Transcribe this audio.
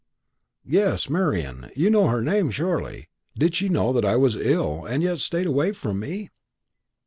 "Yes Marian. You know her name, surely. Did she know that I was ill, and yet stayed away from me?"